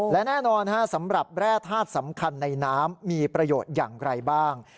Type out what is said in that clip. และแน่นอนสำหรับแร่ธาตุสำคัญในน้ำมีประโยชน์อย่างไรบ้าง